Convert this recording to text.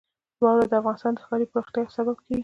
واوره د افغانستان د ښاري پراختیا یو سبب کېږي.